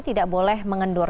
tidak boleh mengendur